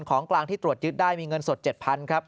ของกลางที่ตรวจยึดได้มีเงินสด๗๐๐ครับ